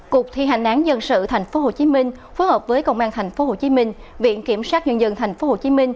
cục thi hành án dân sự tp hcm phối hợp với công an tp hcm viện kiểm sát nhân dân tp hcm